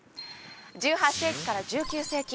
１８世紀から１９世紀